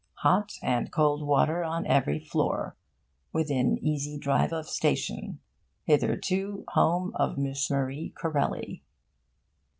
Hot and cold water on every floor. Within easy drive of station. Hitherto home of Miss Marie Corelli.